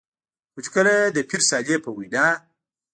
خو چې کله د پير صالح په وېنا